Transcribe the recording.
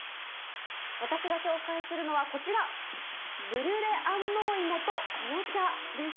私が紹介するのはこちら、ブリュレ安納芋と紅茶です。